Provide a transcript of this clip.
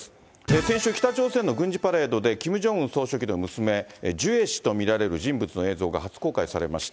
先週、北朝鮮の軍事パレードで、キム・ジョンウン総書記の娘、ジュエ氏と見られる人物の映像が初公開されました。